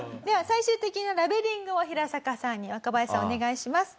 最終的なラベリングをヒラサカさんに若林さんお願いします。